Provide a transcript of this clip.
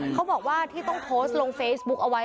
เขาบอกว่าที่ต้องโพสต์ลงเฟซบุ๊กเอาไว้